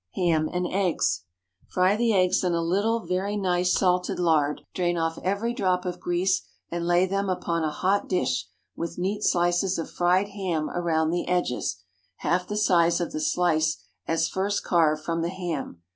HAM AND EGGS. Fry the eggs in a little very nice salted lard; drain off every drop of grease, and lay them upon a hot dish, with neat slices of fried ham around the edges, half the size of the slice as first carved from the ham.